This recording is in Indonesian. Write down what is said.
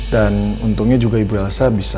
dan untungnya juga ibu elsa bisa keluar dari situ